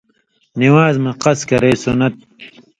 نِوان٘ز مہ قص کرے سُنت